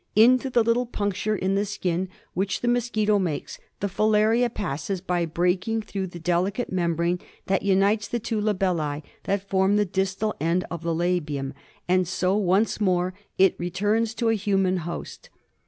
Into the little puncture in the skin which the mosquito makes the filaria passes by breaking through the delicate membrane that unites the two labellse that form the distal end of the labium, and so once more it returns to a human host.